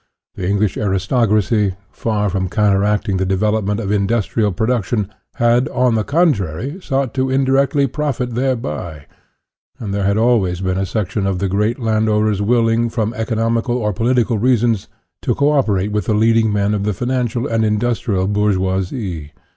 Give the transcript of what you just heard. the English " aristocracy," far from conteracting the development of industrial production, had, on the contrary, sought to indirectly profit thereby; and there had always been a section of the great landowners willing, from economical or political reasons, to co operate with the leading men of the financial and industrial bourgeoisie.